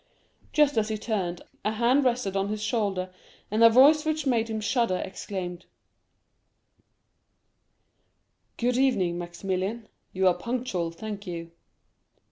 Just as he turned, a hand rested on his shoulder, and a voice which made him shudder exclaimed: "Good evening, Maximilian; you are punctual, thank you!"